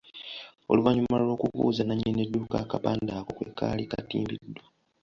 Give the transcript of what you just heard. Oluvannyuma lw’okubuuza nannyini dduuka akapande ako kwe kaali katimbiddwa.